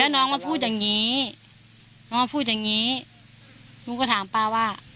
น้องมาพูดอย่างนี้น้องมาพูดอย่างนี้หนูก็ถามป้าว่า